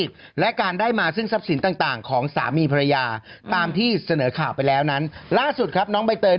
อึกอึกอึกอึกอึกอึกอึกอึกอึกอึก